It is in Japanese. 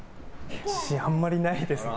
あんまりないです。